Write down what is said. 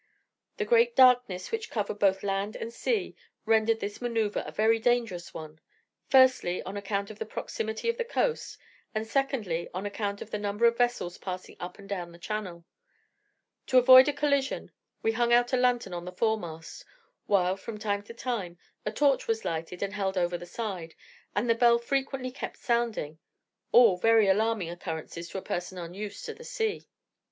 The great darkness which covered both land and sea rendered this maneuvre a very dangerous one; firstly, on account of the proximity of the coast; and, secondly, on account of the number of vessels passing up and down the channel. To avoid a collision, we hung out a lantern on the foremast, while, from time to time, a torch was lighted, and held over the side, and the bell frequently kept sounding: all very alarming occurrences to a person unused to the sea.